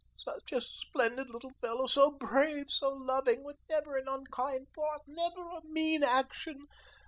Such a splendid little fellow, so brave, so loving, with never an unkind thought, never a mean action.